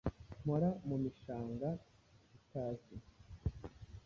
Mpora mu mishanga itazwi